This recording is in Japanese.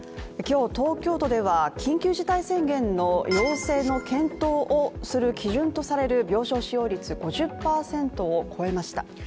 今日、東京都では緊急事態宣言の陽性の検討をする基準とされる病床使用率５０％を超えました。